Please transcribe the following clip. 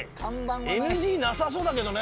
ＮＧなさそうだけどね。